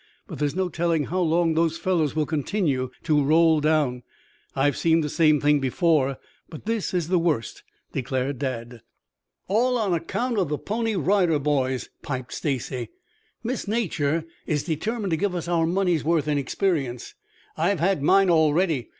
But there's no telling how long those fellows will continue to roll down. I've seen the same thing before, but this is the worst," declared Dad. "All on account of the Pony Rider Boys," piped Stacy. "Miss Nature is determined to give us our money's worth in experience. I've had mine already.